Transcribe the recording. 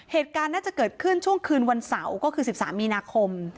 เหตุการณ์น่าจะเกิดขึ้นช่วงคืนวันเสาร์ก็คือ๑๓มีนาคม